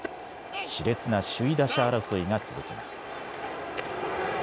しれつな首位打者争いが続きます。